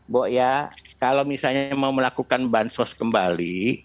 bu ya kalau misalnya mau melakukan bahan sosial kembali